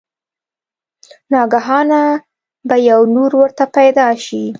ناګهانه به يو نُور ورته پېدا شي